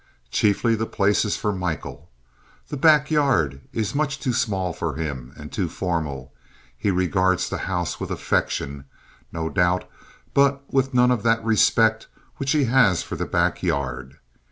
Chiefly, the place is for Michael. The backyard is much too small for him, and too formal. He regards the house with affection, no doubt, but with none of that respect which he has for the backyard.